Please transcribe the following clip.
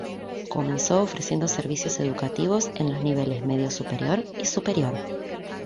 Comenzó ofreciendo servicios educativos en los niveles medio superior y superior.